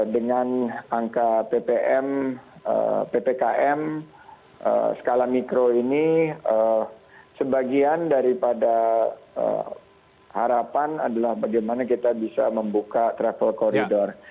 dengan angka ppkm skala mikro ini sebagian daripada harapan adalah bagaimana kita bisa membuka travel corridor